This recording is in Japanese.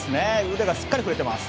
腕がしっかり振れています。